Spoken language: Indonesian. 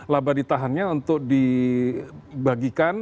laba ditahannya untuk dibagikan